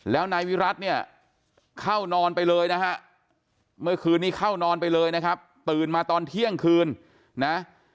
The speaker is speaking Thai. แล้วนายวิรัติเนี่ยเข้านอนไปเลยนะฮะเมื่อคืนนี้เข้านอนไปเลยนะครับตื่นมาตอนเที่ยงคืนนะ